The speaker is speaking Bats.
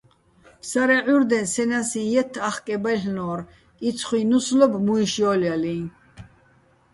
ფსარე ჺურდეჼ სე ნასიჼ ჲეთთ ახკე ბაჲლ'ნო́რ, იცხუჲჼ ნუსლობ მუჲში̆ ჲო́ლჲალიჼ.